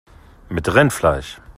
Mit Rinderfleisch!